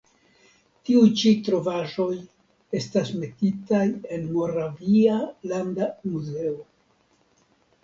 Tiuj ĉi trovaĵoj estas metitaj en Moravia landa muzeo.